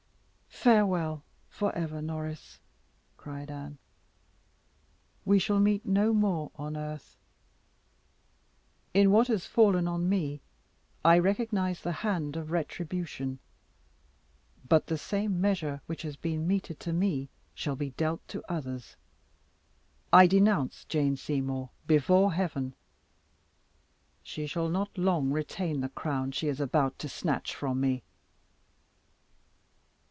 "Farewell for ever, Norris!" cried Anne. "We shall meet no more on earth. In what has fallen on me I recognise the hand of retribution. But the same measure which has been meted to me shall be dealt to others. I denounce Jane Seymour before Heaven! She shall not long retain the crown she is about to snatch from me!"